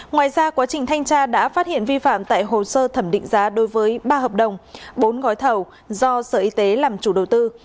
ngoài ra quá trình thanh tra đã phát hiện vi phạm tại hồ sơ thẩm định giá đối với ba hợp đồng bốn gói thầu do sở y tế làm chủ đầu tư